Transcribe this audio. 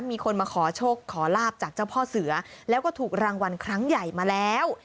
มีคนมาขอโชคขอลาบจากเจ้าพ่อเสือแล้วก็ถูกรางวัลครั้งใหญ่มาแล้ว